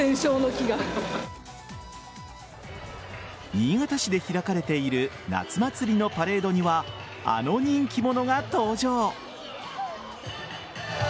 新潟市で開かれている夏祭りのパレードにはあの人気者が登場。